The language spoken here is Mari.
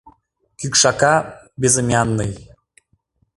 Кӱкшака — «Безымянный».